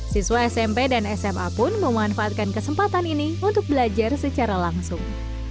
siswa smp dan sma pun memanfaatkan kesempatan ini untuk belajar secara langsung